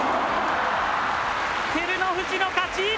照ノ富士の勝ち。